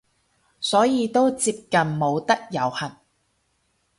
所以都接近冇得遊行